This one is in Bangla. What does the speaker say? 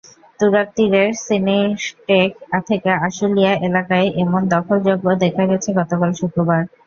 তুরাগতীরের সিন্নিরটেক থেকে আশুলিয়া এলাকায় এমন দখলযজ্ঞ দেখা গেছে গতকাল শুক্রবার।